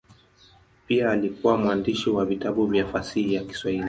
Pia alikuwa mwandishi wa vitabu vya fasihi ya Kiswahili.